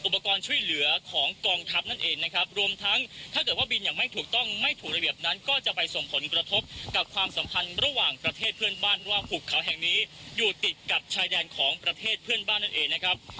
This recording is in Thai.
เพื่อนบ้านว่าหุกเขาแห่งนี้อยู่ติดกับชายแดนของประเทศเพื่อนบ้านนั้นเองนะครับ